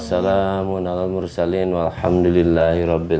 sampai jumpa di video selanjutnya